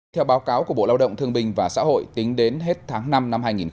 theo báo cáo của bộ lao động thương bình và xã hội tính đến hết tháng năm năm hai nghìn hai mươi